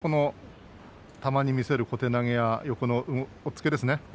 それとたまに見せる小手投げや横の押っつけ